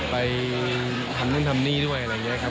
ไปทำนู่นทำนี่ด้วยอะไรอย่างนี้ครับ